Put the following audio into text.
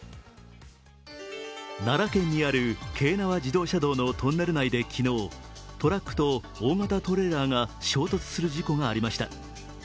奈良県にある京奈和自動車道のトンネル内で昨日、トラックと大型トレーラーが衝突する事故がありました。